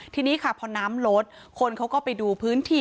ทีนี้ค่ะพอน้ำลดคนเขาก็ไปดูพื้นที่